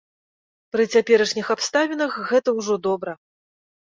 Пры цяперашніх абставінах, гэта ўжо добра.